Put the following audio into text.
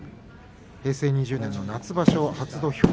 平成２０年の夏場所初土俵。